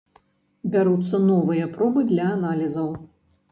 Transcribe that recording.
Бяруцца новыя пробы для аналізаў.